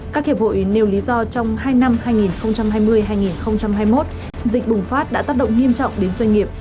các hiệp hội nêu lý do trong hai năm hai nghìn hai mươi hai nghìn hai mươi một dịch bùng phát đã tác động nghiêm trọng đến doanh nghiệp